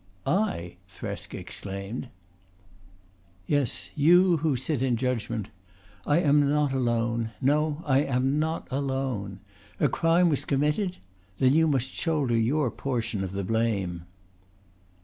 "I!" Thresk exclaimed. "Yes, you who sit in judgment. I am not alone. No, I am not alone. A crime was committed? Then you must shoulder your portion of the blame."